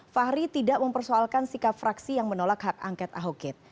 fahri tidak mempersoalkan sikap fraksi yang menolak hak angket ahok gate